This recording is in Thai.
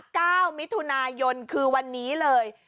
เก้ามิถุนายนคือวันนี้เลย